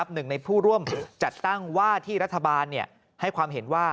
หนึ่งในผู้ร่วมจัดตั้งว่าที่รัฐบาลให้ความเห็นว่า